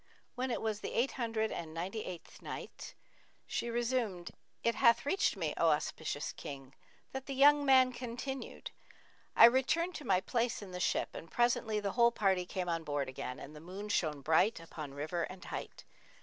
When it was the Eight Hundred and Ninety eighth Night, She resumed, It hath reached me, O auspicious King, that the young man continued, "I returned to my place in the ship; and presently the whole party came on board again and the moon shone bright upon river and height.